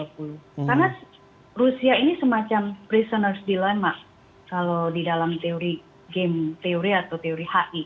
karena rusia ini semacam dilemma penjahat kalau di dalam teori game teori atau teori hi